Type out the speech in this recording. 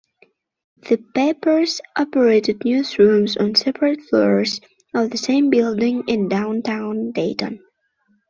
The papers operated newsrooms on separate floors of the same building in downtown Dayton.